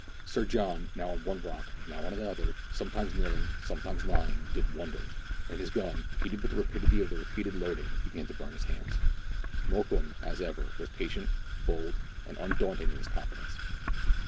Sir John, now on one rock now on another, sometimes kneel ing sometimes lying, did wonders, and his gun, heated with the rapidity of the repeated loading, began to burn his hands. Mokoum, as ever, was patient, bold, and undaunted in his confidence.